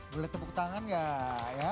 boleh tepuk tangan gak ya